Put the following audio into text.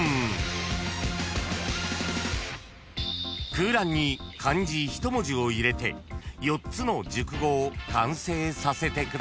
［空欄に漢字一文字を入れて４つの熟語を完成させてください］